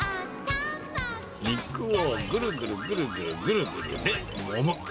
肉をぐるぐるぐるぐるぐるぐる、で、もむ。